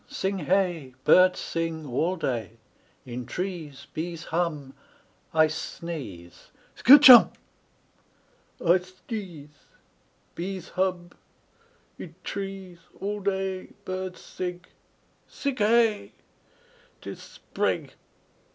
Sing hey! Birds sing All day. In trees Bees hum I sneeze Skatch Humb!! I sdeeze. Bees hub. Id trees All day Birds sig. Sig Hey! 'Tis Sprig!